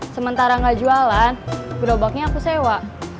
sementara nggak jualan gerobaknya aku sewa